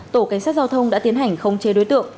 tổ cảnh sát giao thông đã tiến hành khống chế đối tượng